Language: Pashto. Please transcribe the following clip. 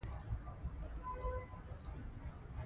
علامه حبیبي د افغانستان د تاریخ په لیکنه کې مخکښ و.